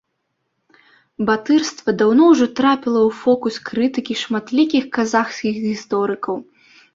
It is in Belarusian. Батырства даўно ўжо трапіла ў фокус крытыкі шматлікіх казахскіх гісторыкаў.